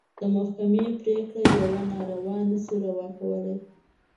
د محکمې پرېکړه يوه ناروا نه شي روا کولی.